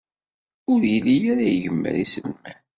Ur yelli ara igemmer iselman.